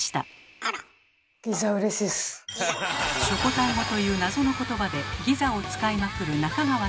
「しょこたん語」という謎の言葉でギザを使いまくるえ？